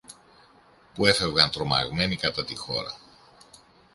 που έφευγαν τρομαγμένοι κατά τη χώρα.